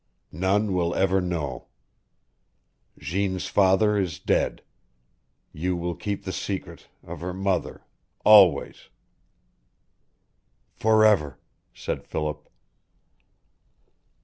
None will ever know. Jeanne's father is dead. You will keep the secret of her mother always " "Forever," said Philip.